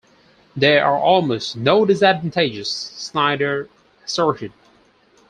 "There are almost no disadvantages," Snyder asserted.